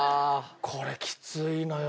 これきついのよ。